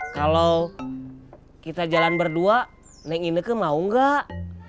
kalau kita jalan berdua neng ineke mau enggak